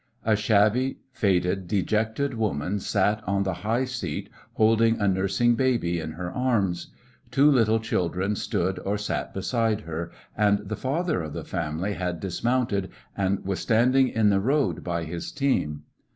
A shabby, faded, dejected woman sat on the high seat, holding a nursing baby in her arms ; 49 us ^ecoUections of a two littie cMldren stood or sat beside her; and the father of the family had dismounted and was standing in the road by his team.